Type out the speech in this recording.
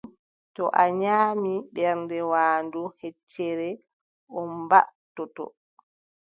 To a nyaamni mo ɓernde waandu heccere, o ɓaŋtoto.